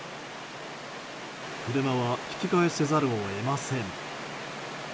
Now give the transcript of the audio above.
車は引き返さざるを得ません。